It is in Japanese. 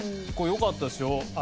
よかったですよ。